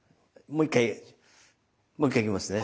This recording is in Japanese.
もう一回いきますね。